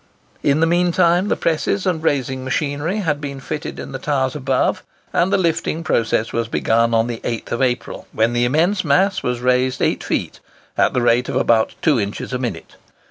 In the mean time, the presses and raising machinery had been fitted in the towers above, and the lifting process was begun on the 8th April, when the immense mass was raised 8 feet, at the rate of about 2 inches a minute.